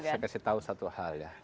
tapi ya saya kasih tahu satu hal ya